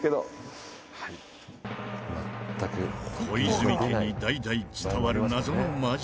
小泉家に代々伝わる謎の麻雀牌。